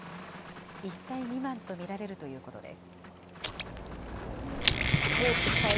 １歳未満と見られるということです。